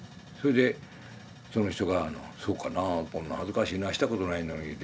それでその人があの「そうかなあこんな恥ずかしいなあしたことないのに」